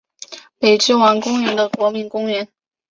北之丸公园的国民公园。